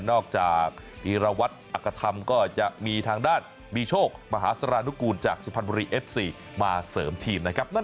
นอกจากวีรวัตรอักษธรรมก็จะมีทางด้านมีโชคมหาสารนุกูลจากสุพรรณบุรีเอฟซีมาเสริมทีมนะครับ